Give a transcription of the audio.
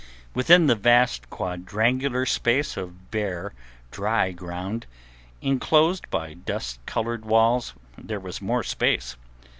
Within the vast quadrangular space of bare, dry ground, enclosed by dust coloured walls, there was more space.